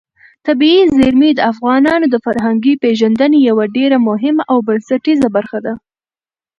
طبیعي زیرمې د افغانانو د فرهنګي پیژندنې یوه ډېره مهمه او بنسټیزه برخه ده.